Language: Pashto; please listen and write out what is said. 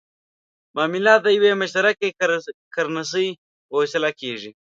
معاملات د یوې مشترکې کرنسۍ په وسیله کېږي.